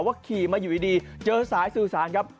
ขี่มาอยู่ดีเจอสายสื่อสารครับ